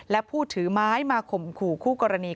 และผู้ถือไม้มาข่มขู่คู่กรณี